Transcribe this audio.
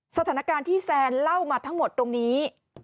สถานการณ์ที่แซนเล่ามาทั้งหมดตรงนี้